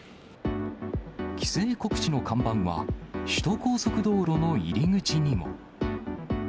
規制告知の看板は、首都高速道路の入り口にも。